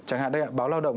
chẳng hạn đây ạ báo lao động